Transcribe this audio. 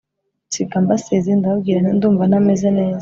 nsiga mbasezeye ndababwira nti ndumva ntameze neza